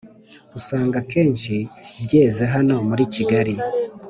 Usanga akenshi byeze hano muri Kigali